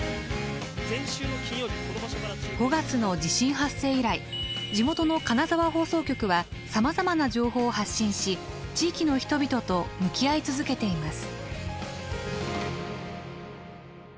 ５月の地震発生以来地元の金沢放送局はさまざまな情報を発信し地域の人々と向き合い続けています。